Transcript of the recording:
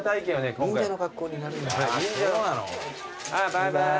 ・バイバーイ。